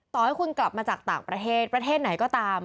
ต่อให้คุณกลับมาจากต่างประเทศประเทศไหนก็ตาม